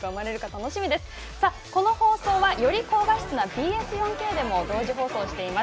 この放送はより高画質なＢＳ４Ｋでも同時放送しています。